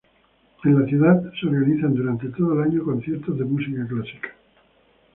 En la ciudad se organizan, durante todo el año, conciertos de música clásica.